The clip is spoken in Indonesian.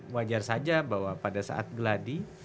wajar saja bahwa pada saat geladi